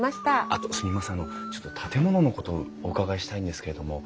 あのちょっと建物のことお伺いしたいんですけれども。